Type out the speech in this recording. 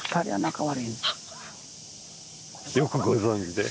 よくご存じで。